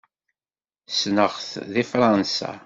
Ssneɣ-t deg Fṛansa.